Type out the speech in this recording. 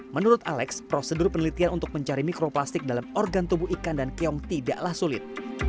menurut alex prosedur penelitian untuk mencari mikroplastik dalam organ tubuh ikan dan keong tidaklah sulit